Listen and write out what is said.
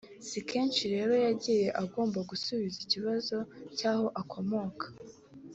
si kenshi rero yagiye agomba gusubiza ikibazo cy’aho akomoka